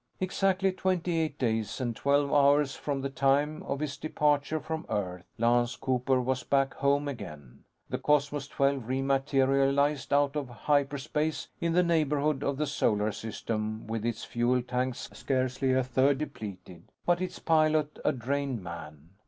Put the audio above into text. Exactly twenty eight days and twelve hours from the time of his departure from Earth, Lance Cooper was back home again. The Cosmos XII re materialized out of hyperspace in the neighborhood of the Solar System with its fuel tanks scarcely a third depleted, but its pilot a drained man.